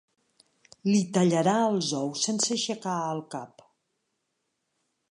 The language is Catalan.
Li tallarà els ous sense aixecar el cap.